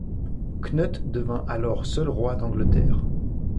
Knut devient alors seul roi d'Angleterre.